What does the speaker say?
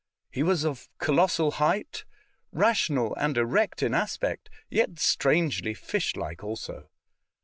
He was of colossal height, rational and erect in aspect, yet strangely fish like also.